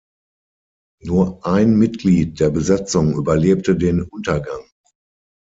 Nur ein Mitglied der Besatzung überlebte den Untergang.